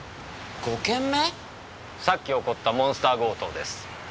さっき起きたモンスター強盗です。